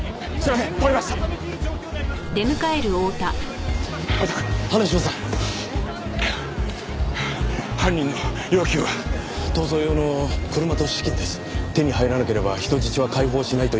手に入らなければ人質は解放しないと言っています。